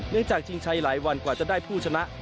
เนื่องจากชิงใช้หลายวันกว่าจะได้ผู้ชนะ